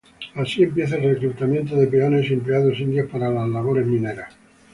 Así empieza el reclutamiento de peones y empleados indios para las labores mineras.